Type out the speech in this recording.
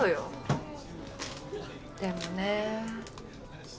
でもね